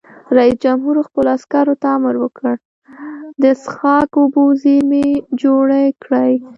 رئیس جمهور خپلو عسکرو ته امر وکړ؛ د څښاک اوبو زیرمې جوړې کړئ!